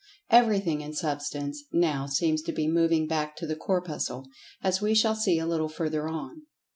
Everything in Substance now seems to be moving back to the Corpuscle, as we shall see a little further on.